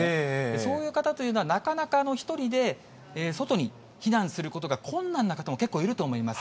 そういう方というのは、なかなか１人で外に避難することが困難な方も結構いると思います。